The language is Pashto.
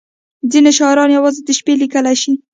• ځینې شاعران یوازې د شپې لیکلی شي.